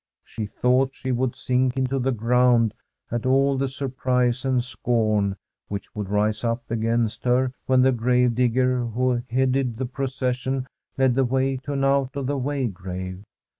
She thought she would sink into the ground at all the surprise and scorn which would rise up against her when the grave digger, who headed the procession, led the way to an out of the way grave.